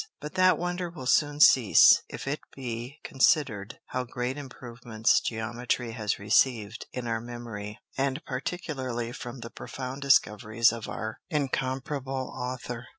But that wonder will soon cease, if it be consider'd how great improvements Geometry has receiv'd in our Memory, and particularly from the profound Discoveries of our incomparable Author.